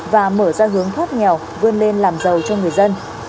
và mở ra hướng thoát nghèo vươn lên làm giàu cho người dân